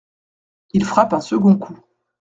Il frappe un second coup.